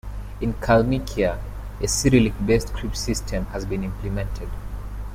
In Kalmykia, a Cyrillic-based script system has been implemented.